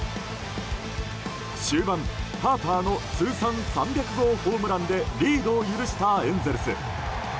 終盤、ハーパーの通算３００号ホームランでリードを許したエンゼルス。